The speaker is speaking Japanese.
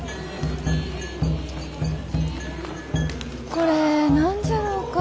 これ何じゃろうか？